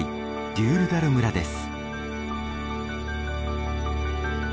デュールダル村です。